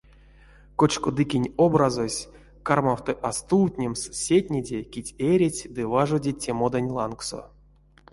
Кочкодыкень образось кармавты а стувтнемс сетнеде, кить эрить ды важодить те моданть лангсо.